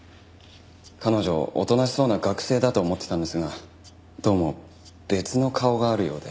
彼女おとなしそうな学生だと思ってたんですがどうも別の顔があるようで。